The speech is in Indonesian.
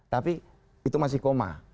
tapi itu masih koma